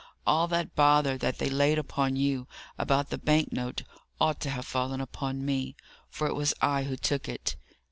All that bother that they laid upon you about the bank note ought to have fallen upon me, for it was I who took it.